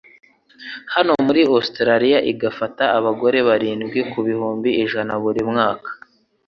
naho muri Australia igafata abagore barindwi ku bihumbi ijana buri mwaka.